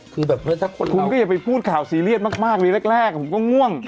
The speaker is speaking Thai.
คือแบบคุณก็อย่าไปพูดข่าวซีเรียสมากเลยแรกผมก็ง่วง